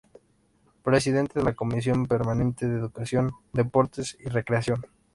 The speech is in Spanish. Presidente de la Comisión Permanente de Educación, Deportes y Recreación.